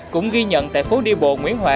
cũng ghi nhận tại phố đi bộ nguyễn huệ